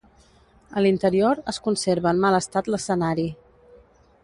A l'interior, es conserva en mal estat l'escenari.